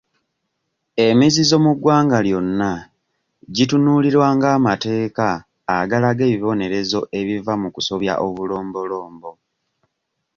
Emizizo mu ggwanga lyonna gitunuulirwa ng'amateeka agalaga ebibonerezo ebiva mu kusobya obulombolombo.